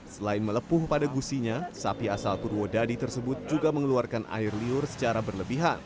selain melepuh pada gusinya sapi asal purwodadi tersebut juga mengeluarkan air liur secara berlebihan